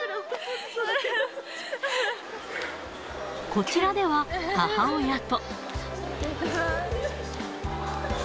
こちらでは、母親と。